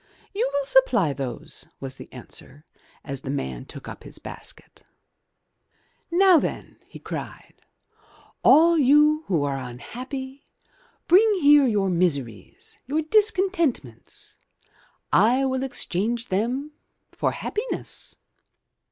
'' '*You will supply those," was the answer, as the man took up his basket. "Now then," he cried, '*all you who are unhappy bring here your miseries, your discontentments. I will exchange them for happiness."